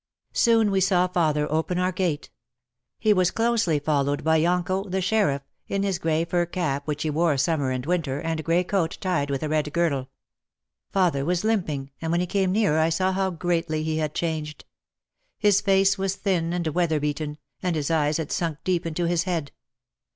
Soon we saw father open our gate. He was closely followed by Yonko, the sheriff, in his grey fur cap which he wore summer and winter, and grey coat tied with a red girdle. Father was limping and when he came nearer I saw how greatly he had changed. His face was thin and weatherbeaten, and his eyes had sunk deep into his head.